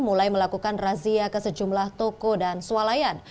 mulai melakukan razia ke sejumlah toko dan sualayan